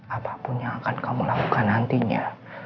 apapun yang akan kamu lakukan nantinya